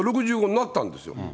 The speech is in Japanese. ６５になったんですよ。